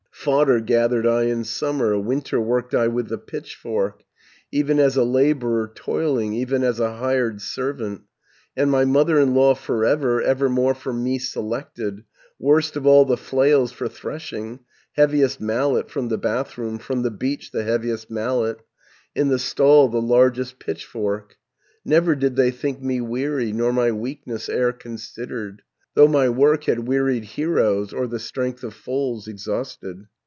"Fodder gathered I in summer, Winter worked I with the pitchfork, Even as a labourer toiling, Even as a hired servant, And my mother in law for ever, Evermore for me selected, Worst of all the flails for threshing, Heaviest mallet from the bathroom, 620 From the beach the heaviest mallet, In the stall the largest pitchfork. Never did they think me weary, Nor my weakness e'er considered, Though my work had wearied heroes, Or the strength of foals exhausted.